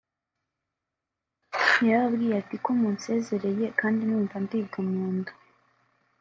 “Yarababwiye ati ko munsezereye kandi numva ndibwa mu nda